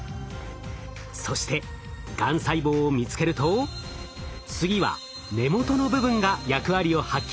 そしてがん細胞を見つけると次は根元の部分が役割を発揮するのです。